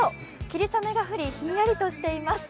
霧雨が降り、ひんやりとしています